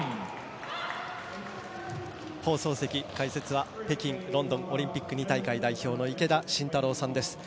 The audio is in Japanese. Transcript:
放送席、解説は北京、ロンドンオリンピック２大会出場の池田信太郎さんです。